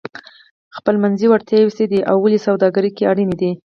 خپلمنځي وړتیاوې څه دي او ولې سوداګري کې اړینې دي؟